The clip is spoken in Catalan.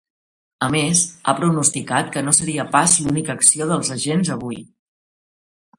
A més ha pronosticat que no seria pas l’única acció dels agents avui.